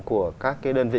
của các đơn vị